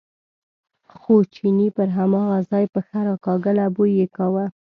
خو چیني پر هماغه ځای پښه راکاږله، بوی یې کاوه.